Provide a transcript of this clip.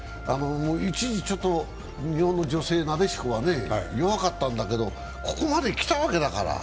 一時、日本の女性、なでしこは弱かったんだけどここまで来たわけだから。